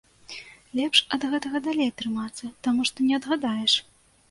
Лепш ад гэтага далей трымацца, таму што не адгадаеш.